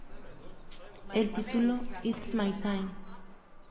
El título, "It's My Time".